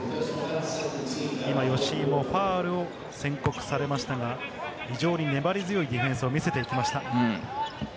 今、吉井もファウルを宣告されましたが、非常に粘り強いディフェンスを見せていきました。